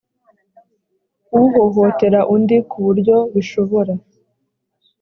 uhohotera undi ku buryo bishobora